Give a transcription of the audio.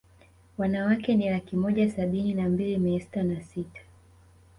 Wanawake ni laki moja sabini na mbili mia sita na sita